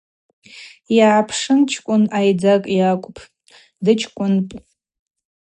Йгӏайпшын чкӏвын айдзакӏ йакӏвпӏ, дычкӏвынпӏ.